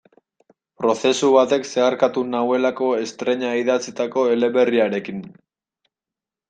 Prozesu batek zeharkatu nauelako estreina idatzitako eleberriarekin.